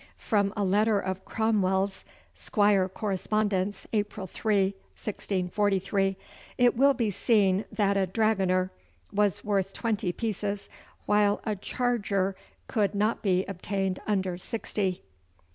From a letter of Cromwell's ['Squire Correspondence,' April 3, 1643), it will be seen that a dragooner was worth twenty pieces, while a charger could not be obtained under sixty.